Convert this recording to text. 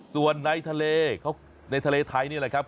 ส่วนในทะเลไทยนี่แหละครับ